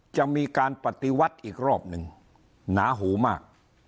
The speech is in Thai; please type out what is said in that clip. จะมีการปฏิวัติอีกรอบหนึ่งหนาหูมาก